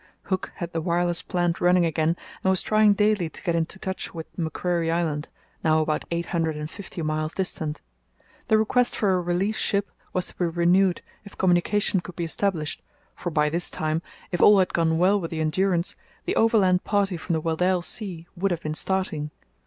Hooke had the wireless plant running again and was trying daily to get into touch with Macquarie Island, now about eight hundred and fifty miles distant. The request for a relief ship was to be renewed if communication could be established, for by this time, if all had gone well with the Endurance, the overland party from the Weddell Sea would have been starting.